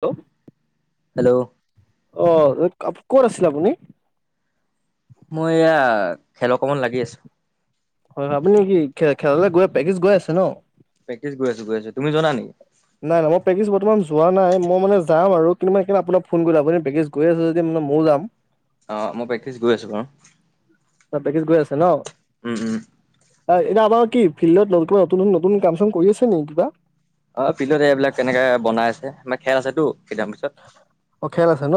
Hello hello অ' অ' ক'ত আছিল আপুনি? মই এয়া খেল অকমান লাগি আছোঁ। হয়, হয়। আপুনি কি খেলালৈ গৈ প্ৰক্টিছ গৈ আছে ন? প্ৰেক্টিচ গৈ আছো গৈ আছো তুমি জানা নেকি? নাই, মই প্ৰেকটিছ বৰ্তমান যোৱা নাই। মই মানে যাম আৰু কিন্তু মানে সেইকানে আপোনাক ফোন কৰিলোঁ। আপুনি প্ৰেকটিছ গৈ আছে যদি মানে মও যাম। অ মই প্ৰেক্টিচ গৈ আছো বাৰু প্ৰেকটিছ গৈ আছে ন? উম, উম। অ' এতিয়া আপোনালোকৰ কি ফিল্ডত কিবা নতুন‌ নতুন নতুন কাম চাম কৰি আছে নি কিবা? অ' ফিল্ডত এইবিলাক তেনেকে বনাই আছে খেল আছেতো, কেইদিনমান পিছত। অ' খেল আছে ন,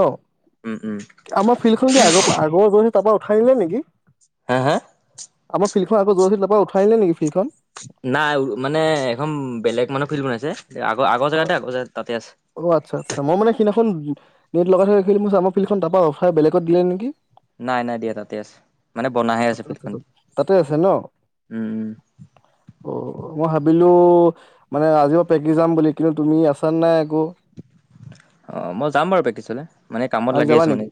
উম উম আমাৰ ফিল্ডখন কি আগৰ আগৰ গৈ তাৰ পৰা উঠাই নিলে নেকি? হা, হা। আমাৰ ফিল্ডখন আগত য'ত আছিল, তাৰপৰা উঠাই নিলেনেকি ফিল্ডখন? নাই মানে এখন বেলেগ মানুহ ফিল্ড বনাইছে আগৰ আগৰ জেগাতে অ' আগৰ জেগা তাতে আছে অ' আচ্ছা, আচ্ছা। মই মানে সিদিনাখন নেট লগাই থকা দেখিলোঁ। মই ফিল্ডখন তাৰ পৰা উঠাই বেলেগত দিলে নেকি? নাই নাই দিয়া, তাতেই আছে। মানে বনাহে আছে আচ্ছা, আচ্ছা, ফিল্ডখন আচ্ছা। তাতে আছে ন উম উম অ, মই ভাবিলোঁ। ও, মানে আজিৰ পৰা প্ৰেক্টিচ যাম বুলি, কিন্তু তুমি আচা নাই আকো? অ' মই যাম বাৰু প্ৰক্টিছলে মানে কামত লাগি আছোঁ মানে।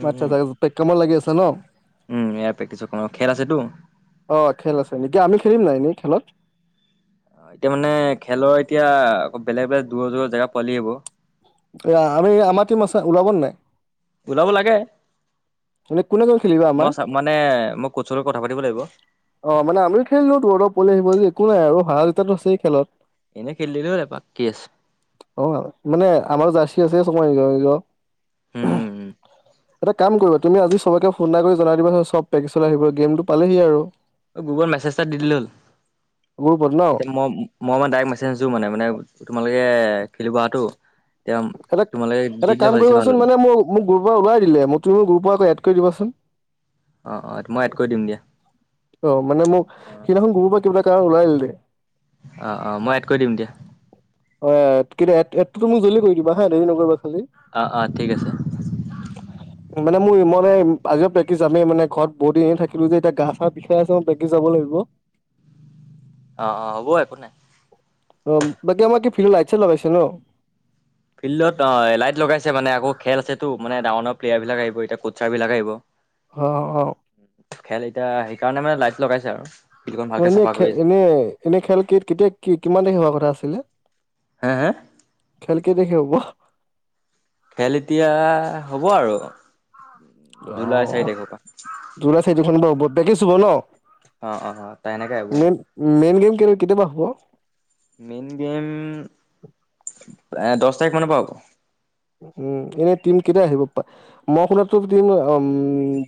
উম উম আচ্ছা-আচ্ছা-আচ্ছা পেক কামত লাগি আছা ন? উম, ইয়া প্ৰেক্টিছত অ', খেল আছে নেকি আমি খেলিম নাই এনে খেলত? অ', এতিয়া মানে খেলৰ এতিয়া আকৌ বেলেগ-বেলেগ দূৰৰ-দূৰৰ জেগা পোৱালি আহিব। এ, আমি আমাৰ টিম আছে ওলাব নাই? ওলাব লাগে এনে কোনে কোনে খেলিবা আমাৰ মই মানে মই কচুলগত কথা পাতিব লাগিব। অ', মানে আমি খেলিলো তো অলপ পোৱালি আহিব যে একো নাই আৰু হাৰা জিতাতো আছেই খেলত এনে, খেলিদিলে হ'ল এবাৰ অ', মানে আমাৰো জাৰ্চী আছে ৰে নিজৰ-নিজৰ উম উম উম এটা কাম কৰিব তুমি আজি সবকে ফোনএটা কৰি জনাই দিবা সব প্ৰক্টিছলে আহিবলে গেমটো পালেহি আৰু অ', গ্ৰুপত মেছেজ এটা দি দিলে হ'ল। গ্ৰুপত ন এতিয়া মই-মই মানে ডাইৰেক্ট মেছেজ নিদো মানে-মানে তোমালোকে খেলিব অহাটো এটা-এটা কাম কৰিবাচোন হ'ল মানে মোক-মোক গ্ৰুপৰ পৰা ওলাই দিলে মোক তুমি মোৰ গ্ৰুপত আকৌ এড কৰিবাচোন। অ অ মই এড কৰি দিম দিয়া অ', মানে মোক সেইদিনাখন গ্ৰুপৰ পৰা কিবা এটা ওলাই দিলে। অ', অ', মই এড কৰি দিম দিয়া অ'! কিন্তু, এডটো তুমি জল্দি কৰি দিবা হা? দেৰি নকৰিবা। খালি অ' অ'! ঠিক আছে। মানে মোৰ, মানে আজিও প্ৰেক্টিছ যামেই। মানে, ঘৰত বহুত দিন থাকিলোঁ যে, এতিয়া গা-চা বিষাই আছে, মই প্ৰেক্টিছ যাব লাগিব। [unintelligible] অ অ হ'ব একো নাই। অ বাকী আমাক কি ফিল লাগছে লগাইছে ন? ফিল্ডত অ লাইট লগাইছে মানে আকৌ খেল আছেতো মানে ডাঙৰ ডাঙৰ প্লেয়াৰ বিলাক আহিব এতিয়া কোচাৰ বিলাক আহিব। আহ আহ খেল এতিয়া সেইকাৰণে মানে লাইট লগাইছে আৰু। ফিল্ডখন ম ভালকে এনে চাফা কৰি আছে এনে এনে খেল কে-কেতিয়া কি-কিমান তাৰিখে হোৱা কথা আছিলে? হে হে খেল কেই তাৰিখে হব? খেল এতিয়া হ'ব আৰু। জুলাই চাৰি তাৰিখৰ পৰা অ [unintelligible] চুব ন? অ অ অ তাই এনেকে আহিব অ। কেতিয়া পা হব? মেইন গেম এ দহ তাৰিখ মানৰ পৰা হব। উম এনে টিম কেইটা আহিব, প মই শুনাটটো উম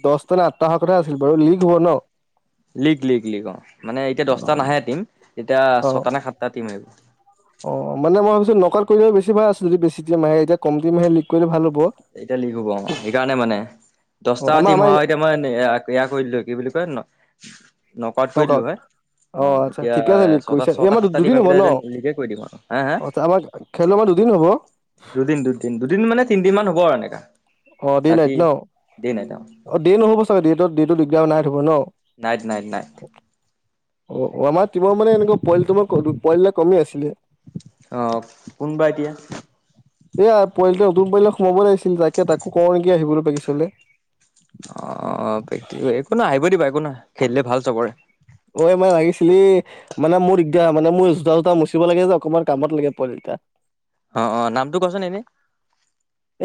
দহটা নে আঠটা অ কথা আছিল বাৰু লীগ হ'ব ন? লীগ লীগ লীগ অ মানে এতিয়া অ', দহটা নাহে টিম তেতিয়া অ', ছটা নে সাতটা টিম আহিব। অ মানে মই ভাবিছো নকাত কৰিলে বেছি ভাল আছিল যদি বছি টিম আহে এতিয়া কম টিম আহে লিগ কৰিলে ভালব। এতিয়া লিগ হ'ব অ সেইকাৰণে মানে। অ', দহটা আমাৰ অতি আমাৰ ম এতিয়া মই এয়া কৰি দিলো কি বুলি কয় ন নক আউট কৰি দিলো হয়। অ আচ্ছা এতিয়া ঠিকে আছে লীগ ছটা কৈছে এই ছটা আমাৰ সাতটা টিম দুদিন আমি হব ন এতিয়া লিগে কৰি দিম আৰু হা হা আমাৰ খেল ম দুদিন হ'ব? দুদিন দুদিন দুদিন মানে তিনিদিন মান হ'ব আৰু এনেকা। অ দে নাইত ৰাতি ন, দে নাইট অ দে নহ'ব চাগে দে দেটো দিগদাৰ নাইট হব ন? নাইট নাইট নাইট অ আমাৰ টিমৰ মানে এনেকুৱা পোৱালি তোমাৰ পোৱালি এটা কমি আছিলে আহ কোনবা এতিয়া এয়া পোৱালিটোৱে উতুম পোৱিলে সোমাব লাগিছিল তাকে তাকো কৰ নেকি আহিবলে পেক্টিছলে অ প্ৰেক্টিছ একো নাই আহিব দিবা একো নাই খেলিলে ভাল চবৰে অ মান লাগিছিলি মানে মোৰ দিগদাৰ মানে মোৰ জোতা চোতা মচিব লাগে যে অকমান কামত লাগে পোৱালিটা অ অ নামটো কোৱাচোন এনেই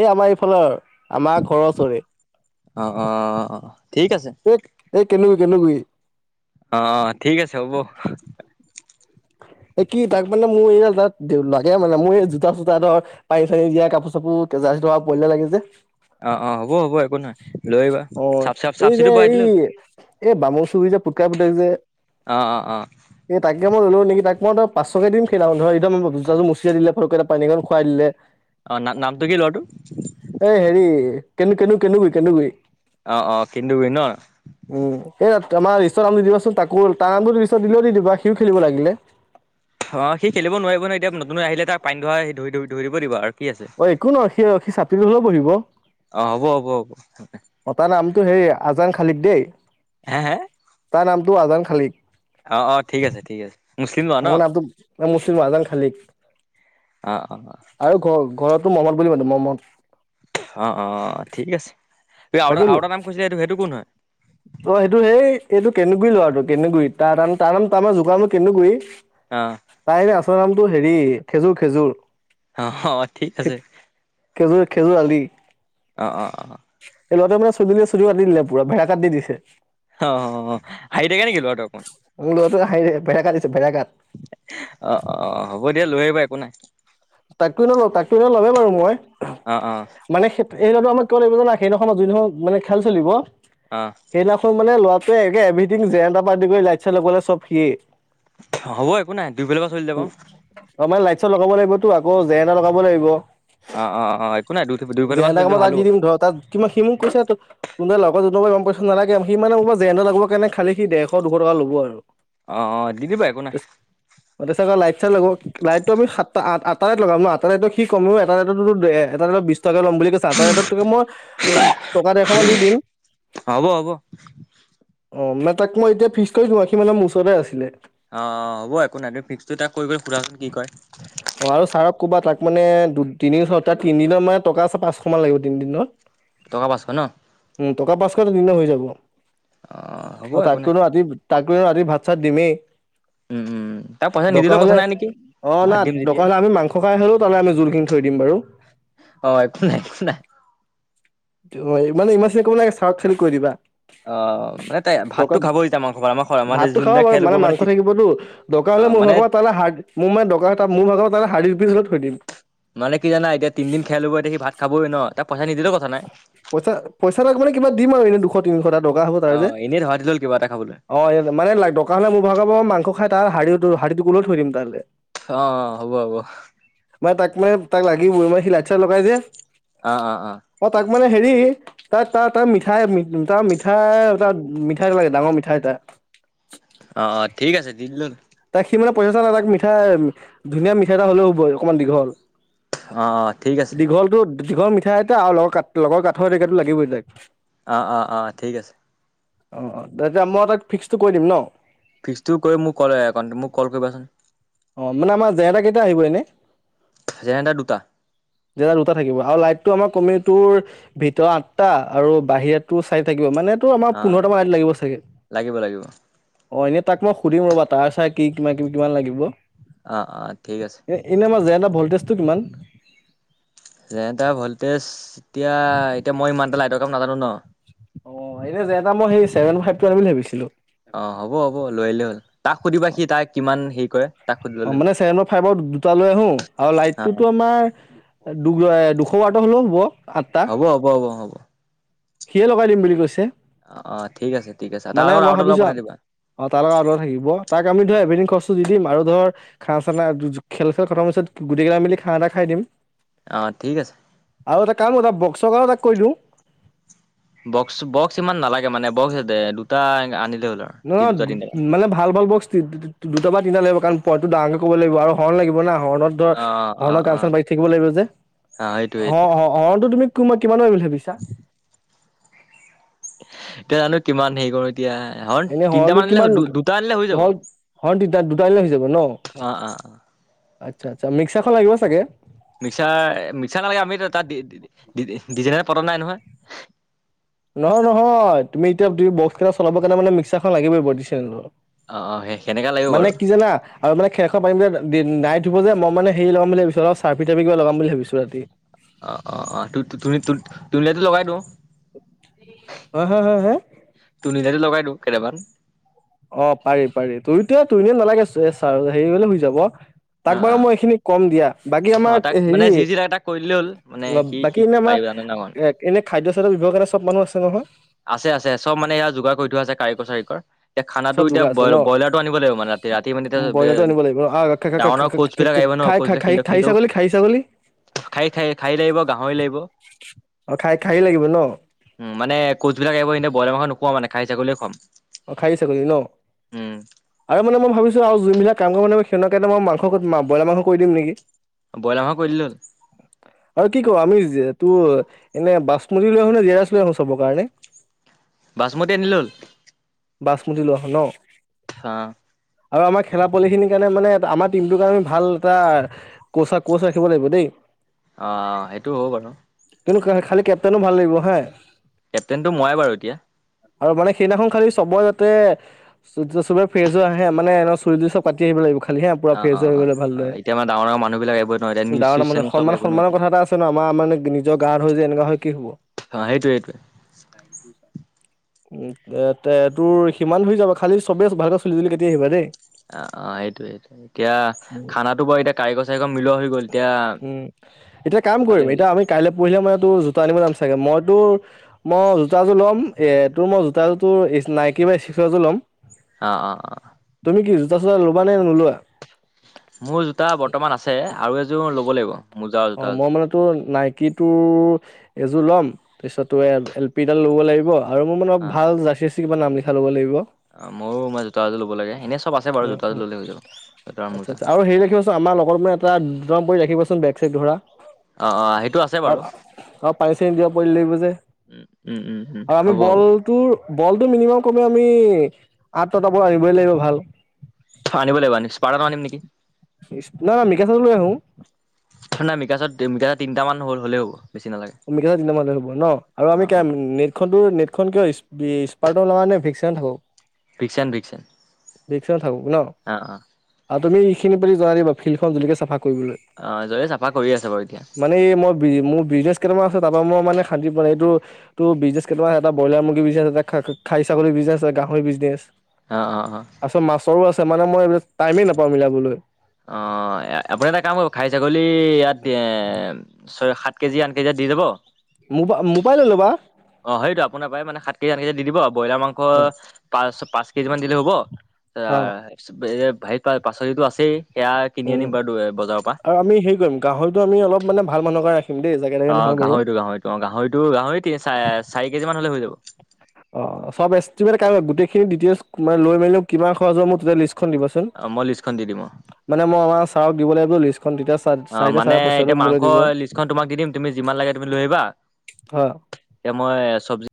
এ আমাৰ এইফালৰ আমাৰ ঘৰৰ ওচৰে অ অ অ ঠিক আছে এ এ কেনে [unintelligible] কেনোগৈ অ অ ঠিক আছে হ'ব এ কি তাক মানে মোৰ এই তাক ল লগে মানে মোৰ এই জোতা চোতা ধৰ পানী চানি দিয়া কাপোৰ চাপোৰ এতিয়া জাৰ্চী থকা পোৱালি এটা লাগে যে অ অ হ'ব হ'ব একো নহয় লৈ আহিবা চ চ চাবচিডি বাই দিলে হ'ল এ বামুৰ চুুৰী যে পুটকাই পুতেক যে অ অ অ এই তাকে মই ললো নেকি তাক মই অন্ত পাঁচশকে দিম খেলা [unintelligible] একদম জোতাযোৰ মুচিয় দিলে ফতকে এতিয়া পানী অকন খোৱাই দিলে অ নামটো কি ল'ৰাটো কেনু কনু কনু গৈ কেনু গৈ অ অ কিন্দো গৈ ন ত আমাৰ লিষ্টৰ নাম দি দিবাচোন তাকো তাৰ নামটো লিষ্টত দিলেও দি দিবা সিও খেলিব লাগিলে অ সি খেলিব নোৱাৰিব নহয় এতিয়া নতুন আহিলে তাক পানী ধৰা ধৰি ধৰি দিব দিব আৰু কি আছে অ একো নহয় সি সি চাপৰিত হ'লেও বহিব অ অ হ'ব হ'ব হ'ব আজং খালীক দেই হে, হে। তাৰ নামটো আজান খালিক। অ অ ঠিক আছে ঠিক আছে মুছলিম ল'ৰা ন মোৰ নামটো মুছিদ মজান খালিক। অ অ আৰু ঘ ঘৰতো মহম্মদ বুলি মাতো মহম্মদ অ অ ঠিক আছে আৰু আৰু এটা নাম কৈছিল সেইটো সেইটো কোন হয়? তই সেইটো সেই এইটো কেনুগুৰি ল'ৰাটো কেনুগুৰিত তাৰ তাৰ নাম তাৰ আমাৰ জোকানামটো কেন্দুগুৰি। তাইনে আচল নামটো হেৰি খেজুৰ খেজুৰ। অ অ ঠিক আছে। খেল [unintelligible] খেলেলো আলি অ', অ', অ। এই লৰাতে মানে চু [unintelligible] চু কাট দিলে পৰা ভেৰা কাট দিছে অ হাঁহি থাকে নেকি ল'ৰাটো অকমান মোৰ লগৰাটো হাঁহি। ভেড়া কাট দিছে ভেড়া কাট অ', অ', অ', হ'ব দিয়া লৈ আহিবা একো নাই। তাকো এ ল তাকো এনে ল'বে বাৰু মই। আহ অ। সেইনাটো আমাক ক' লাগিব জানা। সেইদিনাখন আ যোনদিখন মানে খেল চলিব। অ সেইদিনাখন মানে ল'ৰা। ত একে এভৰিথিং জেণ্টা পাৰদি কৰি লাইট চাই লগাললে চব ফিয়ে। হ'ব একো নাই দুইফালৰ পৰা চলি যাব আমাৰ লাইত, পিছত লগাব লাগিবতো আকৌ জেনটা লগাব লাগিব। অ অ অ একো নাই দুই যে দুইফালৰ পৰা চলিলে কামত ভাল লাগ হ'ব দিম [unintelligible] ধৰ তাত তমা সি মোক কৈছো ত তোন লগৰ পইচা নালাগে সি মানে জেন লাগৰ কাৰণে খালি সি ডেৰশ দুশ টকা ল'ব আৰু, অ অ দি দিবা একো নাই আকৌ লাইট চাই লাগিব লাইটটো আমি সাতটা আঠ আঠ, আটত লগাম ন আ এটাত সি কম এটাত এটাত, [unintelligible] তাকে ল'ম বুলি কৈছা ত, এতা তোকে মই টকা ডৰশ মান দি দিম। হ'ব হ'ব অ মানে তাক মই এতিয়া ফিকচ কৰিদিও সি মানে মোৰ ওচৰতে আছিলে। অ হ'ব একো নাই তুমি ফিক্সটো তাক কৰি কৰি সোধাচোন কি কয় অ আৰু ছাৰক ক'বা তাক মানে দু তিনি তাত তিনিদিনৰ মানে টকা আছে পাঁচশ মান লাগিব তিনিদিনৰ, টকা পাঁচশ ন উম টকা পাঁচক দিলে হৈ যাব। অ হ'ব আৰু একো তাকটো নাই তওঁ ৰাতি তাকটো তও ৰাতি ভাত চাত দিমেই, উম উম তাক পইচা দকা নিদিলেও কথা হলে নাই নেকি অ ভাত নথ দিম দকা যেতিয়াই হ'লে আমি মাংস খাই হ'লেও তাল আমি জোলখিনি থৈ দিম বাৰু। অ একো নাই একো নাই ত মানে ইমান ইমাজেনচি কৰিব নালাগে চাৰক খালি কই দিবা। অ মানে তাই ভাতটো টকা খাব যেতিয়া মাংস আমাৰ আমাৰ ভাতটো খাবা যোনদিনা বাৰু খেল হ'ব মানে মাংস থাকিবতো অ [unintelligible] মোৰ মানে ভাগৰ ত হ মোৰ মান দকাৰ ত মোৰাগৰ ত হাৰ্দি দুপিছ হলোঁ থৈ দিম। নহ'লে কি জানা এতিয়া তিনদিন খেল হ'ব এতিয়া সি ভাত খাবই ন তাক। পইচা নিদিলেও কথা নাই পইচা পইচা তাক মানে কিবা দিম আৰু এনে দুশ তিনিশটা টকা হ'ব তাৰে অ যে। এনেই ধৰা দি ল'ল কিবা এটা খাবলৈ অ মানে দৰকা হলে মোৰ ভাগৰ মাংস খাই তাৰ শ়ীো শাাৰী টুুলও থৈ দিম তাললে। [unintelligible] অ হ'ব, হ'ব। মানে তাক মানে তাক লাগিবই মে শি লাইট চাইট লগাই যে। অ', অ', অ। তাক মানে হেৰি তাত তাৰ তাৰ মিঠাই তাৰ মিঠাই এটা মিঠাই এতা লাগে ডাঙৰ মিঠাই তাত। [inaudible] অ অ ঠিক আছে দি দিলো। তাক সি মানে পইচা এটা নাই তাক মিঠাই ধুনীয়া মিঠাই এটা হ'লেও হ'বই অকণমান দীঘল। অ', অ', ঠিক আছে। দীঘৰ মিঠাই এটা আৰু লগৰ কা লগৰ কাঠৰ একটো লাগিবই তাইক। অ', অ', অ', ঠিক আছে। অ তেতিয়া মই তাক ফিক্সটো কৰি দিম ন। ফিকজটোও ক মোক কল একাউণ্ট মোক কল কৰিবাচোন। জেনেৰেটাৰ দুটা যেয়া দুটা থাকিব আৰু লাইট। আমাৰ কমিটোৰ ভিতৰত আঠটা আৰু বাহিৰাতো চাই থাকিব মানে, টো আমাৰ অ পোন্ধৰটা মান [unintelligible] লাগিব চাগে লাগিব লাগিব অ এনেই তাক মই সুধিম ৰ'বা ত চ কি কি ল অ অ ঠিক আছে এনে আম টো কিমান যোৰ ভল্টেজ এতিয়া এতিয়া মই ইমানটা লাইটৰ কাম নাজানো ন অ এনে যেনেটা মই সেই ছেভেন ফাইভটো আম বুলি ভাবিছিলো অ হ'ব হ'ব লৈ আহলে হ'ল তাক সুধিবা সি তাক কিমান হেৰি কৰে তাক সুধি অ ল'লে হ'ল মানে ছেভেন বা ফাইভৰ দুটা লৈ আহো আৰু অ লাইটটোতো আমাৰ দু দুশ বাৰটো হ'লেও হ'ব আঠটা হ'ব হ'ব হ'ব হ'ব সিয়ে লগাই দিম বুলি কৈছে অ ঠিক আছে ঠিক আছে তাৰ মানে লগত মই আগ লগত ভাবিছো পঠাই দিবা অ তাৰ লগৰা লগত থাকিব তাক আমি ধৰা এভিনং খৰচটো দি দিম আৰু ধৰ খাঁ চানা খেল খেল খথাৰ পিছত গোটেই কেইিলা মিলি খাঁহ এটা খাই দিম অ ঠিক আছে আৰু এটা কাম এটা বক্সৰ কাৰণ এটা কৰি দিওঁ বক্স বক্স ইমান নালাগে মানে বক্স দুটা আনি ন মানে ভাল ভাল বস্তু দুটা বা তিনিটা লাগিব কাৰণ পইতটোাঙকে ক'ব লাগিব আৰু হৰণ লাগিব না হৰ্ণত ধ অ অ হৰ্ণৰ অ অ কামচান বাই থাকিব লাগিব যে সেইটো অ সেইটো অ হৰ্ণটো তুমি ত মই কিমান ব বুলি ভাবিছা এতিয়া জানো কিমান হেৰি কৰো এতিয়া হ এনে তিনটামান আনিলে দুটা আনিলে হৈ যাব হ তি দুট দিলৈ হৈ যাব ন অ অ আচ্ছা আচ্ছা মিক্সাৰখন লাগিব চাগে মিক্সাৰ মিক্সাৰ নালাগে আমিতো তাত ডিজনে পদম নাই নহয় নহয় নহয় তুমি এতিয়া বক্স কেইটা চলাবৰ কাৰণে মে ম্সাৰখন লাগিবইিবাৰি অ অ সেই সেনেকা লাগিব বাৰু মানে কি জানা আৰু মানে খেৰ পাৰ নাই ধুব যে মই মানে লগাম বুলি ভাবিছো আৰু চাৰফিাৰি কিব লগাম বুলি ভাবিছো ৰাতি অ অ অ তুমি তুমিলো লগাই দি ওঁ অ হা হা হা [unintelligible] লগাই দিওঁ কেইটামান অ পাৰি পাৰি তুইতো তুই নিয় নালাগে এ চ হেৰি হলে শু যাব তাক অ বাৰু অ মই এইখিনি কম দিয়া বাকী অ আমাক তাক মানে হেৰি যি যি লাগে তাক কৰি দিলেই হ'ল মানে সি বাকী কি এ আমাৰ পাৰিব জানে ন অকণ এ এনে খাদ্য চাদ্য ব্যৱহাৰ কাৰণে চব মানুহ আছে নহয় আছে আছে চব মানে ইয়াত যোগাৰ কৰি থোৱা আছে কাৰিকৰ চাৰিকৰ এতিয়া চব খানাটো এতিয়া যোগাৰ আছে ন ব্ৰইলাৰ টো আনিব লাগিব মানে ৰাতি ৰাতি মানে ব্ৰইলাৰটো আনিব লাগিব আহ খাই এতিয়া ডাৰ কোচ বিিলাক আহিব ন খাই কৈছিলে খাহী কিন্তু খাহী কিন্তু ছাগলী খাহী ছাগলী খাই খাই খাই লাগিব গাহৰি লাগিব অ খাই খাই লাগিব ন ব এ বইলাৰংখ নুোৱা মান খাইাগলেে খাম অ খাই চাগৈি ন আৰু মানে মই ভাবিছো আৰু যোনবিলাক কাম কৰ মানে তেনেক এ মই মাংস বইলাৰ মাংস কৰি দিম নেকি ব্ৰইলাৰ মাংস কৰি দিলে হ'ল আৰু কি কব আমিিৰ জ তোৰ এনে বাচমতি লৈ আহো নে জেৰাজ লৈ আহো চবৰ কাৰণে বাচমতি আনিলে হ'ল বাচমতি লোৱা ন হা আৰু আমাৰ খেলা পোৱালি খিনিৰ কাৰণে মানে আমাৰ টিমটোৰ কাৰণে ভাল এটা কোচা কোচা ৰাখিব লাগিব দেই অ সেইটো হ'ব বাৰু কিন্তনু খালী কেপ্টেইনো ভাল লাগিব হা কেপটেইনতটো মোৱই বাৰু এতিয়া আৰু মান সেইদিনাখন খালিো চবৰ যাতে [unintelligible] ফ্ৰেজো আহে মানে এ চুৰি তুলি চব কাটি আহিব লাগিব খালি হা পুৰা অ অ ফ্ৰেচ অ হৈলে ভাল অ এতিয়া মানে ডাঙৰ ডাঙৰ মানুহ বিলাক আহিব ন এতিয়া লৰে নিউজ ডাঙৰ চিউজ চেনেল মানুহ চব সন্ আহিব ন সন্মানৰ এতিয়া কথা এটা আছে ন আমাৰ ত মানে নিজৰ গা হৈ যে এনেকুৱা হয় কি হব। অ সেইটোৱে সেইটোৱে। [unintelligible] উ এ তে তোৰ সিমান হৈ যাবা খালি চবে ভালকে চুলি তুলি কাটি আহিবা দেই। অ অ সেইটোয়ে সেইটো এতিয়া খানাটো বাৰু এতিয়া কাৰিকৰ চাৰিকৰ মিলোৱা হৈ গ'ল এতিয়া উম এতিয়া কাম কৰিম ভালেই হ'ল এতিয়া আমি কাইলৈ প ত জোতা আনিব যাম চাগে মই তোৰ মই জোতাযোৰ ল'ম এ তোৰ মই জোতা তেওঁৰ নাইকি বা [unintelligible] ল'ম। অ অ অ তুমি কি জোতা চোতা ল'ব নে নোলোৱা? মোৰ জোতা বৰ্তমান আছে আৰু এযোৰ ল'ব লাগিব। মোজা আৰু অ জোতা এযোৰ মই মান তোৰ নাইকিটোৰ এযোৰ ল'ম তাৰিছতো এল পিডাল ল'ব লাগিব আৰু মোৰ মানে অপ ভাল জাৰ্চি কিবা নাম লিখা ল'ব লাগিব। অ ময়ো মই জোতা এযোৰ ল'ব লাগে এনেই চব আছে বাৰু জোতা অ এযোৰ ললে হৈ যাব জোতা আৰু আচ্ছা মোজা। আচ্ছা হেৰি ৰাখিবাচোন আমাৰ লগত মানে এটা দৰং পৰি ৰাখিবচোন বেগ চাইট ধৰা। অ অ সেইটো আছে অ বাৰু অ পাৰছে যোৱা পৰিল লাগিব যে। উম উম উম উম আৰু আমি হ'ব হ'ব বলটোৰ বলটো মিনিমাম কমে আমি আঠ নতা বল আনিবই লাগিব ভাল। আনিব লাগিব আ [unintelligible] আনিম নেকি? ন ন মিকা চত লৈ আহো। নাই মিকাচৰ মিকা তিনিটা মান হ'ল হলে হ'ব। বেছি নালাগে অমিকা দিতিমলৈ হ'ব ন আৰু অ অ আমি নেটখন তোৰ নেটখন কিয় স্পাৰ্টৰ লগা নে ভিকস থাকক? Vixen Vixen. [unintelligible] থাকক ন, অ অ আৰু তুমি এইখিনি প জনাই দিবা ফিল্ডখন জিলিকি চাফা কৰিবলৈ, অ জয়ে চাফা কৰি আছে বাৰু এতিয়া মানে এই মই মোৰ বিজনেছ। কেইটামান আছে তাৰ পৰা মই মানে শান্তি পোৱা নাই, তোৰ তোৰ বিজনেছ কেইটামান এটা বইলাৰ মুৰ্গী বিজনেছ, এটা খাই খাহী ছাগলী বি গাহৰি বিজনেছ, অ অ অ তাৰপিছত মাছৰো আছে মানে মই টাইমে নাপাওঁ মিলাবলৈ। আহ, আপুনি এটা কাম কৰিব খাহী ছাগলী ইয়াত এ ছয় সাত কেজি আঠ কেজি দি যাব। মোৰ পা মোৰ পৰাই লৈ ল'বা। অ' সেইটো আপোনাৰ প্ৰায় মানে সাত কেজি আঠ কেজি দি দিব, ব্ৰইলাৰ হয় মাংস পাঁচ পাঁচ কেজি মান দিলে হ'ব। অ [unintelligible] পাচলিটো আছেই। সেয়া কিনি উম, আনিম বাৰু বজাৰৰ পৰা আৰু আমি হেৰি কৰিম গাহৰিটো আমি অলপ মানে ভাল মানুহকে ৰা অ' গাহৰিটো গাহৰিটো অ' গাহৰিটো গাহৰি তিনি চ চাৰি কেজি মান। হ'লে হৈ যাব অ' চব [unintelligible] গোটেইখিনি ডিটেইলচ। তোমাৰ লৈ মেলি কিমান খৰচ হয়, মোক লিষ্ট খন দিবাচোন। অ মই লিষ্টখন দি দিম অ। মানে মই ছাৰক দিব লাগিব লিষ্ট। অ' মানে এতিয়া মাংস লিষ্টখন তোমাক দি দিম, তুমি যিমান লাগে তুমি লৈ আহিবা। হয় এতিয়া মই চব্জি